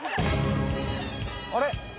あれ？